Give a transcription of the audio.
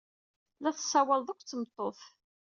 La tessawaled akked tmeṭṭut.